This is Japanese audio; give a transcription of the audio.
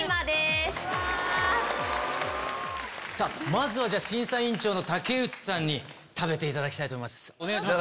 まずは審査委員長の竹内さんに食べていただきたいと思います。